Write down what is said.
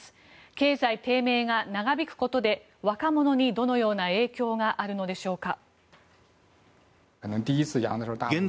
経済低迷が長引くことで若者に、どのような影響があるのでしょうか。